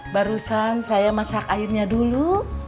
barusan saya masak airnya dulu